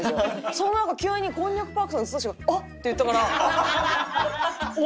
そんな中急にこんにゃくパークさん指して「あっ！」って言ったから面白くて。